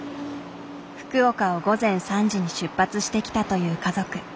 福岡を午前３時に出発してきたという家族。